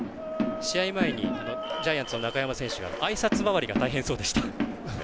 試合前にジャイアンツの中山選手があいさつ回りが大変でした。